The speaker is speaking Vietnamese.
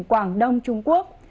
tỉnh quảng đông trung quốc